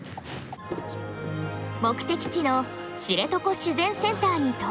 目的地の知床自然センターに到着。